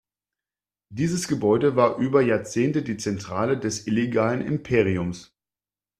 Dieses Gebäude war über Jahrzehnte die Zentrale des illegalen Imperiums.